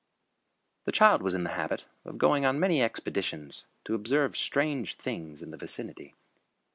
The child was in the habit of going on many expeditions to observe strange things in the vicinity.